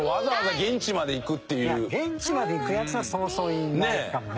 現地まで行くヤツはそうそういないかもね。